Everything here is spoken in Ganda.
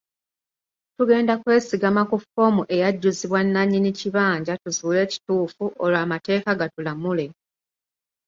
Tugenda kwesigama ku ffoomu eyajjuzibwa nnannyini kibanja tuzuule ekituufu olwo amateeka gatulamule.